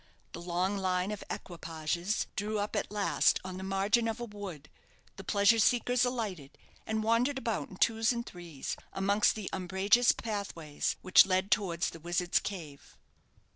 The long line of equipages drew up at last on the margin of a wood; the pleasure seekers alighted, and wandered about in twos and threes amongst the umbrageous pathways which led towards the Wizard's Cave.